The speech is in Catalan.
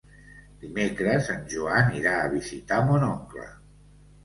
Dimecres en Joan irà a visitar mon oncle.